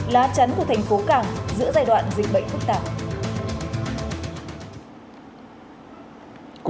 lá chắn của thành phố cảng giữa giai đoạn dịch bệnh phức tạp